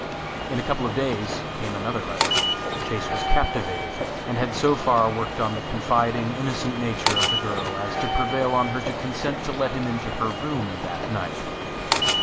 In a couple of days came another letter. Chase was captivated, and had so far worked on the confiding, innocent nature of the girl as to prevail on her to consent to let him into her room that night.